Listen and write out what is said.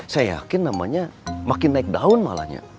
saya yakin namanya makin naik daun malahnya